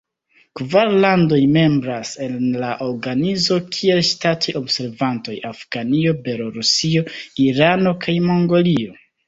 Kvar landoj membras en la organizo kiel ŝtatoj-observantoj: Afganio, Belorusio, Irano kaj Mongolio.